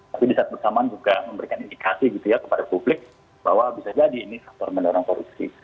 tapi di saat bersamaan juga memberikan indikasi gitu ya kepada publik bahwa bisa jadi ini faktor mendorong korupsi